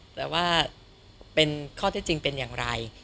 แต่ว่าเป็นข้อเท็จจริงเป็นอย่างไร